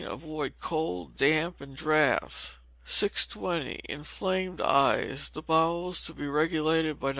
Avoid cold, damp, and draughts. 620. Inflamed Eyes. The bowels to be regulated by No.